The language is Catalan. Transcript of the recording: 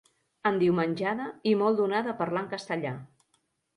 Endiumenjada i molt donada a parlar en castellà.